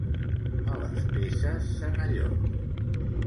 A les Peces, senallons.